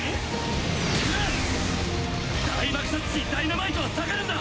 大・爆・殺・神ダイナマイトは下がるんだ！